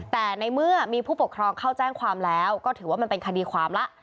แต่ในเมื่อมีผู้ปกครองเข้าแจ้งความแล้วก็ถือว่ามันเป็นคดีความละ